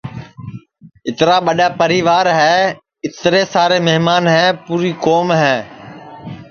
اِترا ٻڈؔا پریوار ہے اِترے سارے مہمان ہے پُوری کُوم ہے